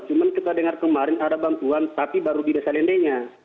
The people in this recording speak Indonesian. cuma kita dengar kemarin ada bantuan tapi baru di desa lendenya